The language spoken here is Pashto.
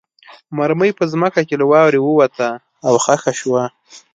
مرمۍ په ځمکه کې له واورې ووته او خښه شوه